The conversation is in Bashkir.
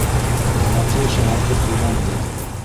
Баҡый шаяртып һөйләнде: